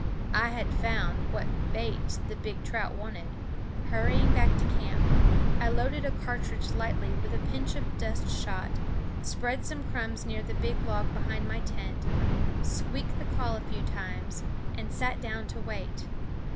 I had found what bait the big trout wanted. Hurrying back to camp, I loaded a cartridge lightly with a pinch of dust shot, spread some crumbs near the big log behind my tent, squeaked the call a few times, and sat down to wait.